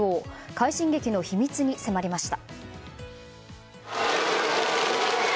快進撃の秘密に迫りました。